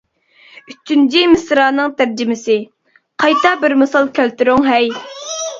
ئۈچىنچى مىسرانىڭ تەرجىمىسى: قايتا بىر مىسال كەلتۈرۈڭ ھەي!